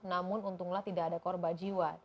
namun untunglah tidak ada korban jiwa